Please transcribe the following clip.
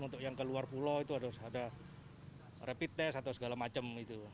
untuk yang keluar pulau itu harus ada rapid test atau segala macam